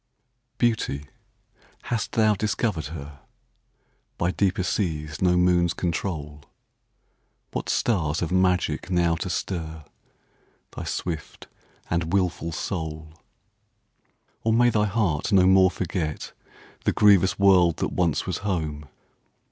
Beauty—hast thou discovered herBy deeper seas no moons control? What stars have magic now to stirThy swift and wilful soul? Or may thy heart no more forgetThe grievous world that once was home.